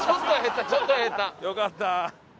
よかった。